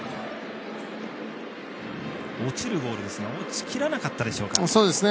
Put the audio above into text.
落ちるボールですが落ちきらなかったでしょうか。